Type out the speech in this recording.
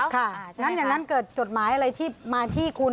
งั้นอย่างนั้นเกิดจดหมายอะไรที่มาที่คุณ